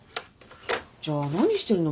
じゃ何してるの？